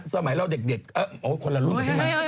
สมัยเราเด็กคนละรุ่นไปที่ไหน